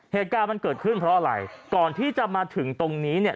เหตุการณ์มันเกิดขึ้นเพราะอะไรก่อนที่จะมาถึงตรงนี้เนี่ย